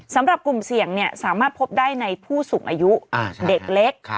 สำหรับกลุ่มเสี่ยงสามารถพบได้ในผู้สูงอายุเด็กเล็ก